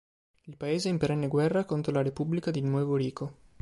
Il paese è in perenne guerra contro la Repubblica di Nuevo Rico.